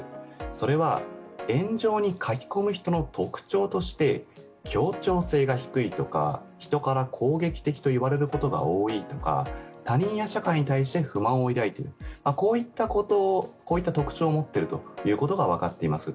それは、炎上に書き込む人の特徴として協調性が低いとか、人から攻撃的といわれることが多いとか他人や社会に対して不満を抱いているこういった特徴を持っているということが分かっています。